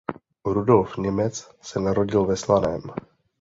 Rudolf Němec se narodil ve Slaném.